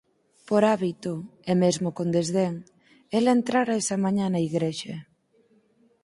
Por hábito e mesmo con desdén ela entrara esa mañá na igrexa.